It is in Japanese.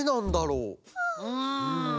うん。